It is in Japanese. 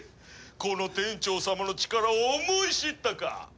このテンチョウ様の力を思い知ったか？